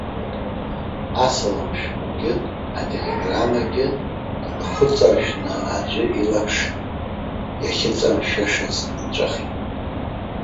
Асалам шәҟәгьы ателеграммагьы нхәыҵаршәны аӡәы илаԥш иахьыҵамшәашаз илҵәахит.